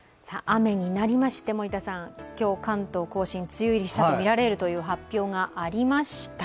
雨になりまして、森田さん、今日、関東甲信が梅雨入りしたとみられると発表がありました。